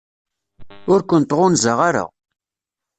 Ur kent-ɣunzaɣ ara.